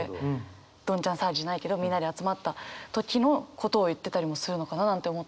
どんちゃん騒ぎじゃないけどみんなで集まった時のことを言ってたりもするのかななんて思ったりして。